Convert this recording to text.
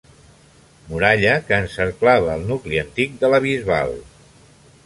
Muralla que encerclava el nucli antic de la Bisbal.